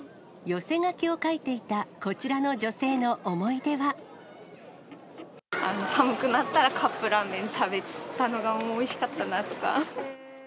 寄せ書きを書いていたこちら寒くなったら、カップラーメン食べたのがもう、おいしかったなとか。